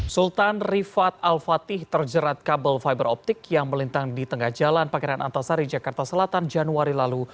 sultan rifat al fatih terjerat kabel fiberoptik yang melintang di tengah jalan pangeran antasari jakarta selatan januari lalu